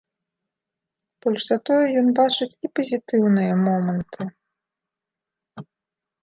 Больш за тое ён бачыць і пазітыўныя моманты.